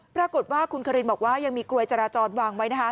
ปรากฏว่าคุณคารินบอกว่ายังมีกลวยจราจรวางไว้นะคะ